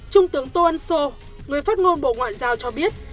trung tướng tô ân sô người phát ngôn bộ ngoại giao cho biết